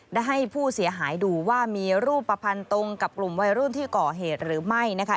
ได้ให้ผู้เสียหายดูว่ามีรูปภัณฑ์ตรงกับกลุ่มวัยรุ่นที่ก่อเหตุหรือไม่นะคะ